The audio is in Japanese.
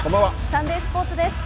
サンデースポーツです。